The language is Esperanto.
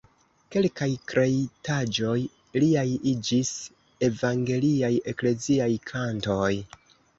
Kelkaj kreitaĵoj liaj iĝis evangeliaj ekleziaj kantoj.